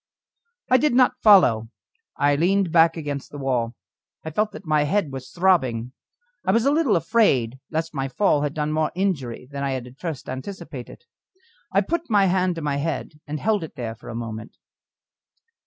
I did not follow, I leaned back against the wall. I felt that my head was throbbing. I was a little afraid lest my fall had done more injury than I had at first anticipated. I put my hand to my head, and held it there for a moment.